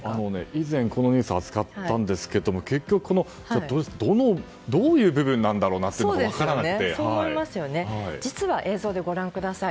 以前、このニュースを扱ったんですが結局、どういう部分なんだろうなというところが映像でご覧ください。